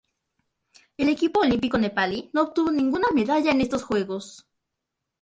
El equipo olímpico nepalí no obtuvo ninguna medalla en estos Juegos.